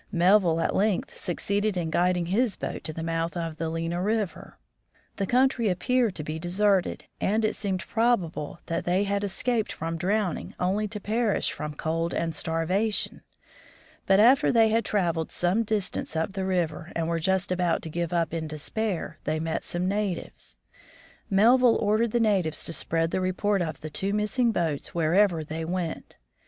Melville at length succeeded in guiding his boat to the mouth of the Lena river. The country appeared to be deserted, and it seemed probable that they had escaped from drowning, only to perish from cold and starvation. But after they had trav eled some distance up the river, and were just about to give up in despair, they met some natives. Melville ordered the natives to spread the report of the two missing boats wherever they went.